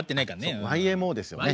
そうＹＭＯですよね。